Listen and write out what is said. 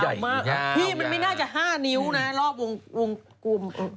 ปลาหมึกแท้เต่าทองอร่อยทั้งชนิดเส้นบดเต็มตัว